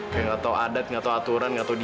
kayak gak tau adat gak tau aturan gak tau diri